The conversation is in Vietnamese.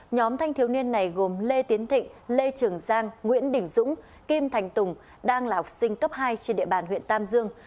nhóm thanh thiếu niên này gồm lê tiến thịnh lê trường giang nguyễn đình dũng kim thành tùng đang là học sinh cấp hai trên địa bàn huyện tam dương